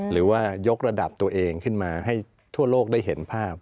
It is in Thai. หรือว่ายกระดับตัวเองขึ้นมาให้ทั่วโลกได้เห็นภาพ